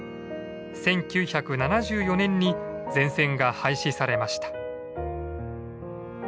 １９７４年に全線が廃止されました。